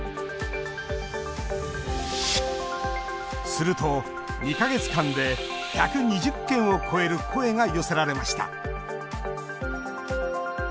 すると２か月間で、１２０件を超える声が寄せられました。